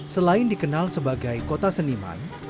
selain dikenal sebagai kota seniman